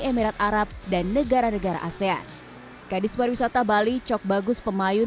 emirat arab dan negara negara asean kadis pariwisata bali cok bagus pemayun